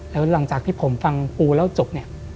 แล้วหลังจากที่ผมฟังปูเล่าจบเนี่ย